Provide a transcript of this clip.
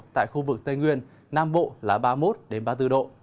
tại khu vực tây nguyên nam bộ là ba mươi một ba mươi bốn độ